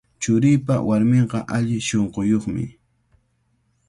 Churiipa warminqa alli shunquyuqmi.